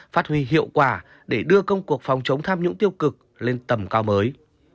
phát huy hiệu quả để đưa công cuộc phòng chống tham nhũng tiêu cực lên tầm cao mới